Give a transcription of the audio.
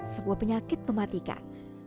sebuah penyakit mematikan